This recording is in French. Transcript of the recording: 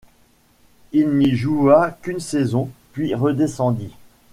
Il n'y joua qu'une saison puis redescendit.